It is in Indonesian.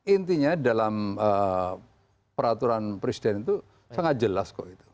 intinya dalam peraturan presiden itu sangat jelas kok itu